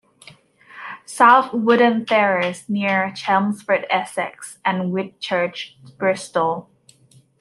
South Woodham Ferrers, near Chelmsford, Essex and Whitchurch, Bristol.